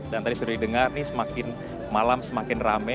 dan tadi sudah didengar nih semakin malam semakin rame